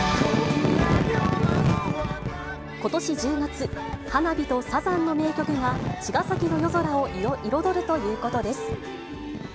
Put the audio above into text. ことし１０月、花火とサザンの名曲が、茅ヶ崎の夜空を彩るということです。